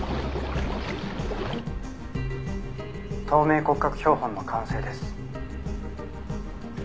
「透明骨格標本の完成です」